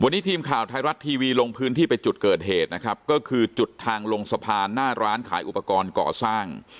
วันนี้ทีมข่าวไทยรัฐทีวีลงพื้นที่ไปจุดเกิดเหตุนะครับก็คือจุดทางลงสะพานหน้าร้านขายอุปกรณ์ก่อสร้าง